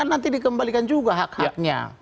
nanti dikembalikan juga hak haknya